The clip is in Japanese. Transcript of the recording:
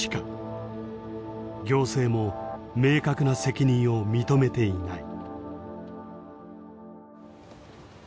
行政も明確な責任を認めていない。